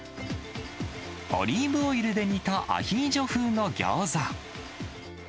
オリーブオイルで煮たアヒージョ風のギョーザ。